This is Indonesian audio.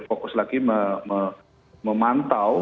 fokus lagi memantau